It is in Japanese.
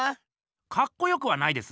かっこよくはないです。